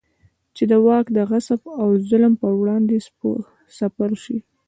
چې د واک د غصب او ظلم پر وړاندې سپر شي.